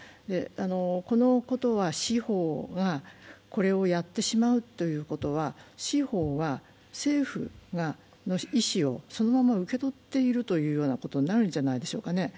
このことは、司法がこれをやってしまうということは、司法は政府が意思をそのまま受け取っているということになるんじゃないですかね。